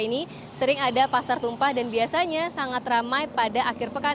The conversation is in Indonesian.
ini sering ada pasar tumpah dan biasanya sangat ramai pada akhir pekan